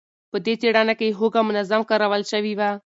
په دې څېړنه کې هوږه منظم کارول شوې وه.